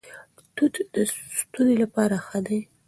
توت د ستوني لپاره ښه دي.